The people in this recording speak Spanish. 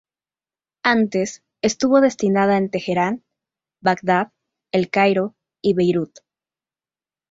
Antes, estuvo destinada en Teherán, Bagdad, El Cairo y Beirut.